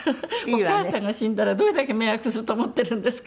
「お義母さんが死んだらどれだけ迷惑すると思ってるんですか！」